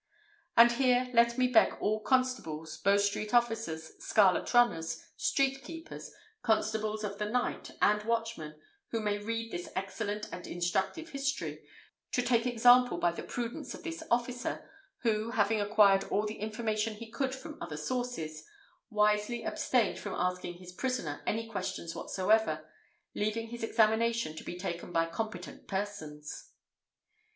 And here let me beg all constables, Bow Street officers, scarlet runners, street keepers, constables of the night, and watchmen, who may read this excellent and instructive history, to take example by the prudence of this officer, who, having acquired all the information he could from other sources, wisely abstained from asking his prisoner any questions whatsoever, leaving his examination to be taken by competent persons.